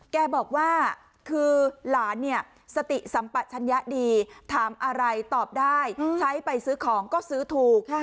แกบอกว่าคือหลานเนี่ยสติสัมปะชัญญะดีถามอะไรตอบได้ใช้ไปซื้อของก็ซื้อถูก